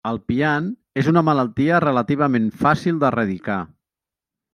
El pian és una malaltia relativament fàcil d'erradicar.